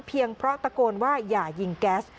เพราะตะโกนว่าอย่ายิงแก๊ส